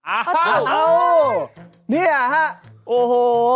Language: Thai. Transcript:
อ้าวนี่ฮะโอ้โฮ